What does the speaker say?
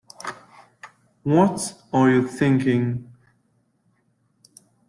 What are you thinking?